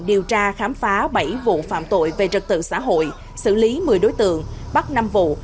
điều tra khám phá bảy vụ phạm tội về trật tự xã hội xử lý một mươi đối tượng bắt năm vụ